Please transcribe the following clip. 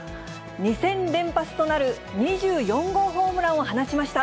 ２戦連発となる２４号ホームランを放ちました。